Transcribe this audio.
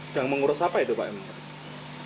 sedang mengurus apa itu pak